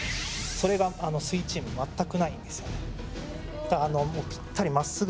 それがすイチーム全くないんですよ。